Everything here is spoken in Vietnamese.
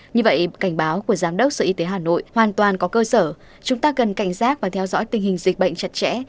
như vậy cảnh báo của giám đốc sở y tế hà nội hoàn toàn có cơ sở chúng ta cần cảnh giác và theo dõi tình hình dịch bệnh chặt chẽ